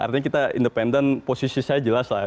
artinya kita independen posisi saya jelas lah